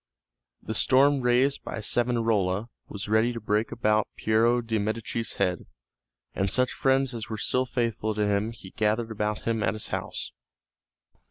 The storm raised by Savonarola was ready to break about Piero de' Medici's head, and such friends as were still faithful to him he gathered about him at his house.